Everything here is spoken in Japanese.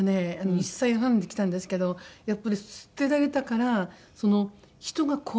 １歳半で来たんですけどやっぱり捨てられたからその人が怖い。